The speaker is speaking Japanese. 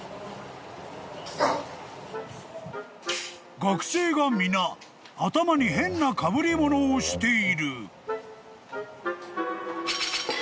［学生が皆頭に変なかぶり物をしている］